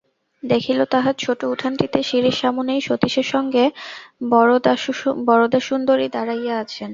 দেখিল, তাহার ছোটো উঠানটিতে সিঁড়ির সামনেই সতীশের সঙ্গে বরদাসুন্দরী দাঁড়াইয়া আছেন।